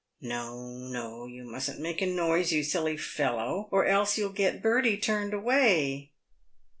" No, no, you mustn't make a noise, you silly fellow, or else you'll get Bertie turned away."